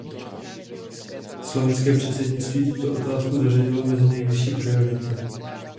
Slovinské předsednictví tuto otázku zařadilo mezi nejvyšší priority.